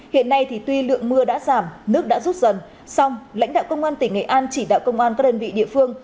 hiện nay tuy lượng mưa đã giảm nước đã rút dần xong lãnh đạo công an tỉnh nghệ an chỉ đạo công an các đơn vị địa phương